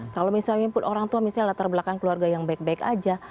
kalau misalnya orang tua misalnya latar belakang keluarga yang baik baik aja